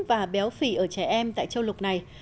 và béo phì ở trẻ em tại châu lục này